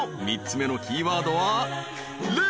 ３つ目のキーワードは「ル」］